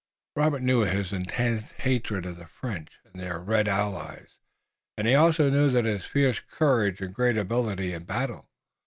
Robert knew his intense hatred of the French and their red allies, and he also knew his fierce courage and great ability in battle.